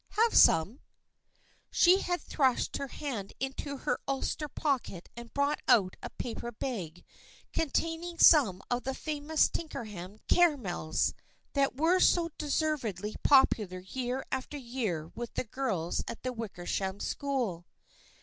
Have some ?" She had thrust her hand into her ulster pocket and brought out a paper bag containing some of the famous Tinkham caramels, that were so de servedly popular year after year with the girls at the Wickersham School.